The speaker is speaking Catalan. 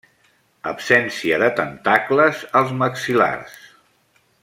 Absència de tentacles als maxil·lars.